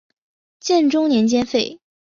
建中年间废。